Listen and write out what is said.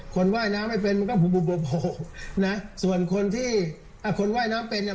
ว่ายน้ำไม่เป็นมันก็เบานะส่วนคนที่อ่ะคนว่ายน้ำเป็นอ่ะ